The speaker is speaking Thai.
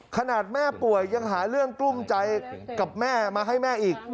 ขนาดแม่ป่วยยังหาเรื่องกลุ้มใจกับแม่มาให้แม่อีก